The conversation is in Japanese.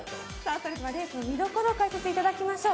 それではレースの見どころを解説いただきましょう。